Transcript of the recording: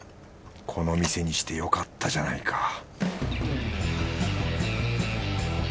この店にしてよかったじゃないか